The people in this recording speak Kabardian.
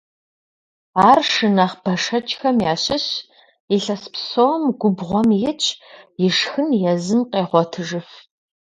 Ар шы нэхъ бэшэчхэм ящыщщ, илъэс псом губгъуэм итщ, и шхын езым къегъуэтыжыф.